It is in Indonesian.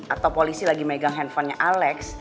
atau polisi lagi megang handphonenya alex